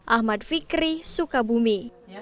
ahmad fikri sukabumi